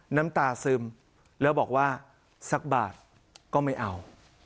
น้ำตาซึมแล้วบอกว่าสักบาทก็ไม่เอา